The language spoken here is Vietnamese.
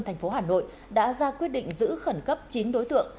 thành phố hà nội đã ra quyết định giữ khẩn cấp chín đối tượng